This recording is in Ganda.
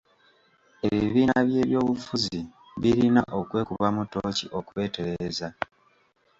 Ebibiina by'ebyobufuzi birina okwekubamu ttooki okwetereeza.